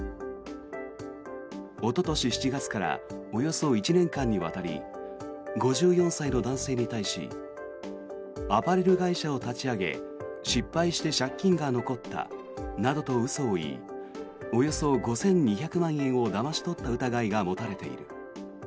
おととし７月からおよそ１年間にわたり５４歳の男性に対しアパレル会社を立ち上げ失敗して借金が残ったなどと嘘を言いおよそ５２００万円をだまし取った疑いが持たれている。